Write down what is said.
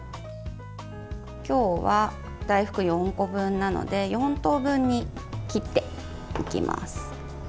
今日は大福４個分なので４等分に切っていきます。